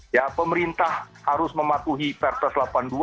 ya pemerintah harus mematuhi perpres delapan puluh dua